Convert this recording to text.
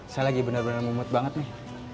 saya lagi bener bener mumut banget nih